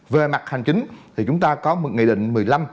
về mặt hành chính thì chúng ta có một nghị định một mươi năm